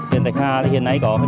huyền tạch hà hiện nay có đền